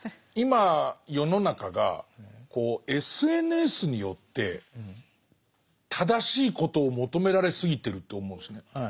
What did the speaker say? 今世の中がこうＳＮＳによって正しいことを求められすぎてるって思うんですね。